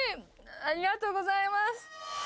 ありがとうございます。